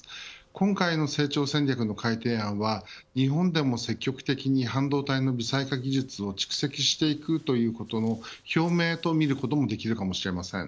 今回の成長戦略の改定案は日本でも積極的に半導体の微細化技術を蓄積していくということの表明と見ることもできるかもしれません。